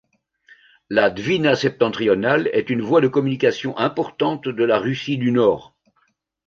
La Dvina septentrionale est une voie de communication importante de la Russie du nord.